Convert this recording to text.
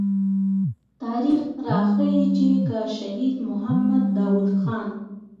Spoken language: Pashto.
تاريخ راښيي چې که شهيد محمد داود خان.